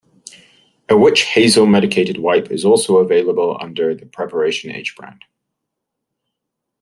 A witch-hazel medicated wipe is also available under the Preparation H brand.